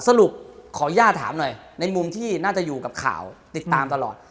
สรุปขออนุญาตถามหน่อยในมุมที่น่าจะอยู่กับข่าวติดตามตลอด